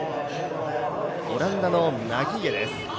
オランダのナギーエです。